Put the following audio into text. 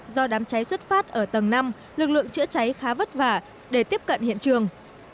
do đám cháy xuất phát ở tầng năm lực lượng chữa cháy khá vất vả để tiếp cận hiện trường